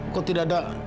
kok tidak ada